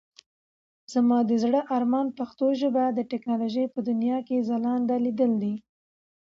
زما د زړه ارمان پښتو ژبه د ټکنالوژۍ په دنيا کې ځلانده ليدل دي.